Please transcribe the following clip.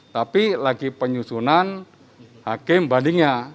tapi lagi penyusunan hakim bandingnya